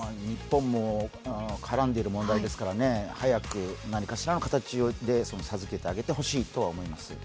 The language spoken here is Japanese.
日本も絡んでいる問題ですからね、早く何かしらの形で授けてあげてほしいとは思います。